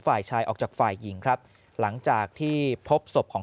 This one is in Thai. ฝ่ายชายออกจากฝ่ายหญิงครับหลังจากที่พบศพของ